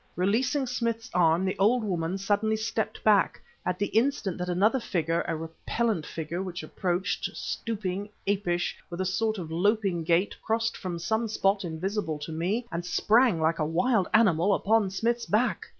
Releasing Smith's arm, the old woman suddenly stepped back ... at the instant that another figure, a repellent figure which approached, stooping, apish, with a sort of loping gait, crossed from some spot invisible to me, and sprang like a wild animal upon Smith's back!